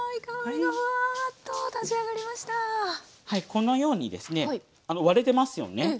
このようにですね割れてますよね。